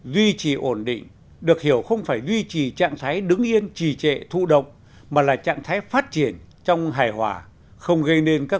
duy trì ổn định được hiểu không phải duy trì trạng thái đứng yên trì trệ thụ động mà là trạng thái phát triển trong hài hòa